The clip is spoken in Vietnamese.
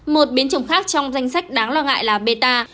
một biến chủng khác trong danh sách đáng lo ngại là beta